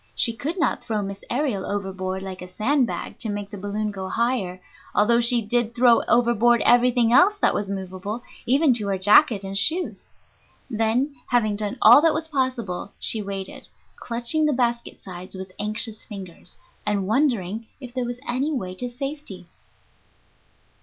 She could not throw Miss Aërial overboard like a sand bag to make the balloon go higher, although she did throw overboard everything else that was movable, even to her jacket and shoes. Then, having done all that was possible, she waited, clutching the basket sides with anxious fingers, and wondering if there was any way to safety.